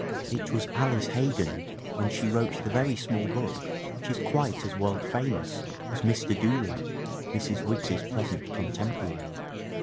It was Alice Hegan when she wrote the very small book which is quite as world famous as Mr. Dooley, Mrs. Wiggs's pleasant contemporary.